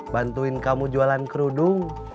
bantuin kamu jualan kerudung